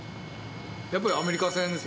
やっぱりアメリカ戦ですよ。